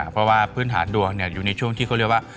เพราะว่าพื้นฐานดวงอยู่ในช่วงที่เขาเรียกว่า